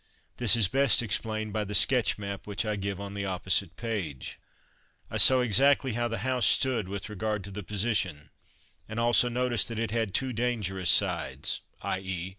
This is best explained by the sketch map which I give on the opposite page. I saw exactly how the house stood with regard to the position, and also noticed that it had two dangerous sides, _i.e.